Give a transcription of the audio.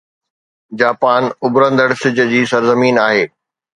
Japan اڀرندڙ سج جي سرزمين آهي